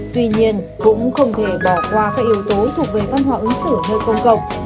tuy nhiên cũng không thể bỏ qua các yếu tố thuộc về văn hóa ứng xử nơi công cộng